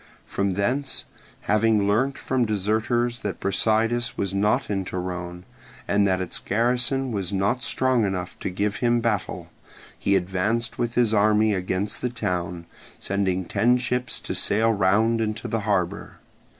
From thence, having learnt from deserters that Brasidas was not in Torone, and that its garrison was not strong enough to give him battle, he advanced with his army against the town, sending ten ships to sail round into the harbour.